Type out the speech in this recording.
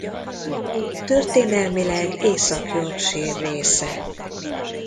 Történelmileg Észak-Yorkshire része.